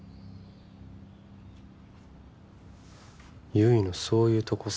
悠依のそういうとこさ